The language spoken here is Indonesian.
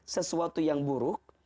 sesuatu yang buruk